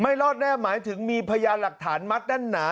ไม่รอดแน่หมายถึงมีพยาหลักฐานมัตด้านหนา